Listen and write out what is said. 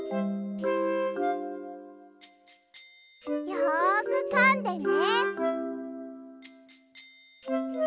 よくかんでね。